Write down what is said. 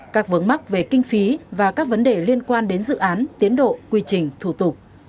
các vướng mắc về kinh phí và các vấn đề liên quan đến dự án tiến độ quy trình thủ tục